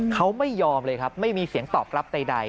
เขาไม่ยอมเลยครับไม่มีเสียงตอบรับใด